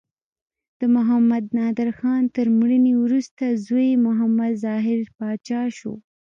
د محمد نادر خان تر مړینې وروسته زوی یې محمد ظاهر پاچا شو.